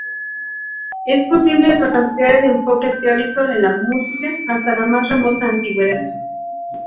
Es posible rastrear el enfoque teórico de la música hasta la más remota Antigüedad.